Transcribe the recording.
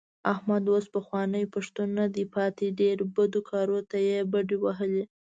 احمد اوس پخوانی پښتون نه دی پاتې. ډېرو بدو کارو ته یې بډې وهلې.